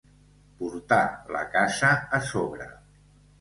Portar la casa a sobre.